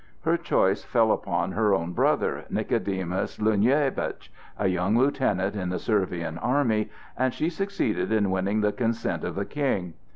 Her choice fell upon her own brother, Nicodemus Lunyevitch, a young lieutenant in the Servian army, and she succeeded in winning the consent of the King.